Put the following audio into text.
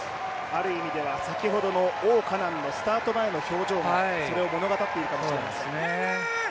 ある意味では先ほどの王嘉男のスタート前の表情がそれを物語っていましたね。